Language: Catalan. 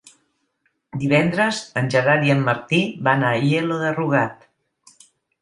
Divendres en Gerard i en Martí van a Aielo de Rugat.